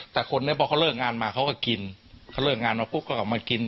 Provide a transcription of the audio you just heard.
แต่คนนี้พอเขาเลิกงานมาเขาก็กินเขาเลิกงานมาปุ๊บก็กลับมากิน